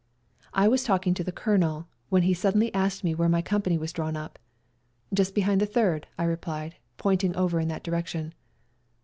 I was talking to the Colonel, when he suddenly asked me where my company was drawn up. "Just behind the Third," I rephed, pointing over in that direction.